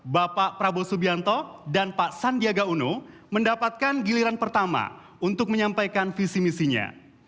bapak prabowo subianto dan pak sandiaga uno mendapatkan giliran pertama untuk menyampaikan visi misinya